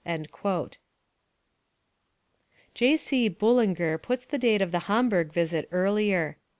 " J. C. Bulenger puts the date of the Hamburg visit earlier.